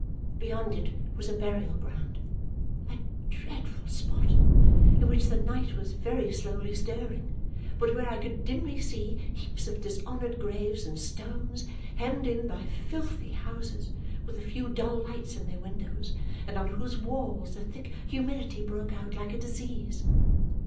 Beyond it was a burial ground a dreadful spot in which the night was very slowly stirring, but where I could dimly see heaps of dishonoured graves and stones, hemmed in by filthy houses with a few dull lights in their windows and on whose walls a thick humidity broke out like a disease.